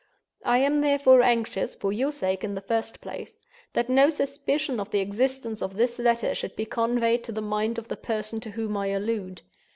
I am therefore anxious—for your sake, in the first place—that no suspicion of the existence of this letter should be conveyed to the mind of the person to whom I allude.